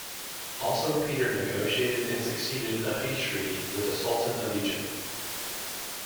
Also Peter negotiated and succeeded a peace treaty with the Sultan of Egypt.